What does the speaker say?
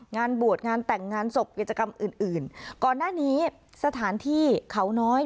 งานบวชงานแต่งงานศพกิจกรรมอื่นอื่นก่อนหน้านี้สถานที่เขาน้อย